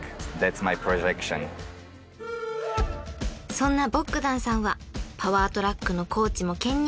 ［そんなボッグダンさんはパワートラックのコーチも兼任］